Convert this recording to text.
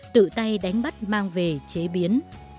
tự tay đánh bắt mang về chế biến